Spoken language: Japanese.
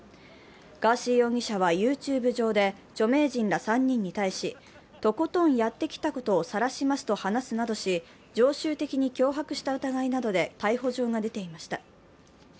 ガーシー容疑者はＹｏｕＴｕｂｅ上で著名人ら３人に対し、とことんやってきたことをさらしますと話すなどし、常習的に脅迫した疑いなどで逮捕状が出ていました。